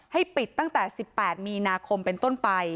ให้ปิดตั้งแต่๑๘มีนาคมเป็นต้นไป